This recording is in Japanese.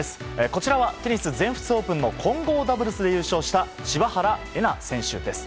こちらはテニス全仏オープンの混合ダブルス優勝した柴原瑛菜選手です。